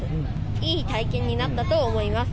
いい体験になったと思います。